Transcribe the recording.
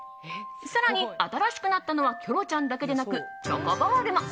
更に、新しくなったのはキョロちゃんだけでなくチョコボールも。